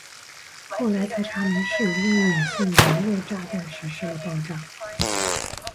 后来才查明是一位女性人肉炸弹实施了爆炸。